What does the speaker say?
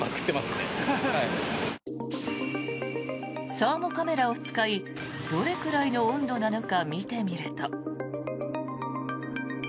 サーモカメラを使いどれくらいの温度なのか見てみると。